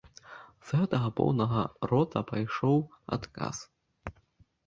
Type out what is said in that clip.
З гэтага поўнага рота пайшоў адказ.